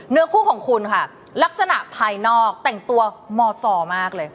เนื้อคู่ของคุณค่ะลักษณะภายนอกแต่งตัวมซอมากเลย